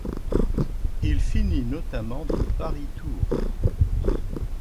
Il finit notamment de Paris-Tours.